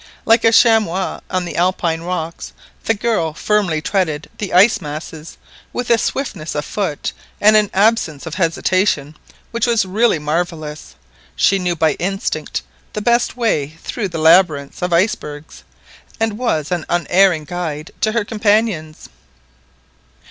Like a chamois on the Alpine rocks, the young girl firmly treaded the ice masses with a swiftness of foot and an absence of hesitation which was really marvellous. She knew by instinct the best way through the labyrinth of icebergs, and was an unerring guide to her companions.